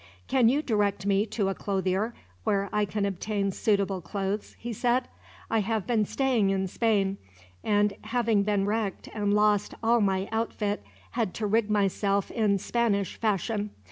"Can you direct me to a clothier, where I can obtain suitable clothes?" he said. "I have been staying in Spain and, having been wrecked and lost all my outfit, had to rig myself in Spanish fashion.